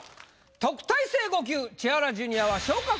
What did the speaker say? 特待生５級千原ジュニアは。